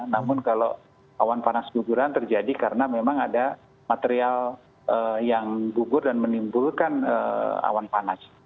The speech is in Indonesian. namun kalau awan panas guguran terjadi karena memang ada material yang gugur dan menimbulkan awan panas